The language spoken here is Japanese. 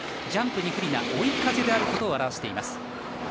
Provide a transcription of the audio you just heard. ジャンプに不利な追い風であることを表しています。